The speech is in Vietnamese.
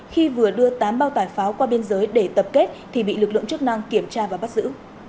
khi vừa đưa tám bao tải pháo qua biên giới để tập kết thì bị lực lượng chức năng kiểm tra và bắt giữ